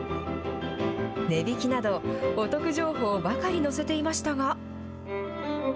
値引きなど、お得情報ばかり載せていましたが。